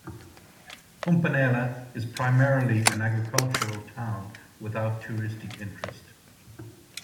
Mponela is primarily an agricultural town without touristic interest.